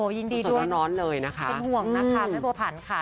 โอ้ยินดีด้วยเป็นห่วงนะคะแม่โบพันธ์ค่ะ